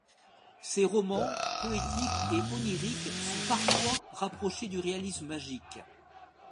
Ses romans, poétiques et oniriques, sont parfois rapprochés du réalisme magique.